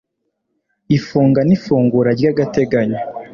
ifunga n ifungura ry agateganyo